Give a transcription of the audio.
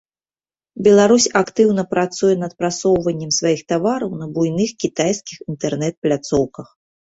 Беларусь актыўна працуе над прасоўваннем сваіх тавараў на буйных кітайскіх інтэрнэт-пляцоўках.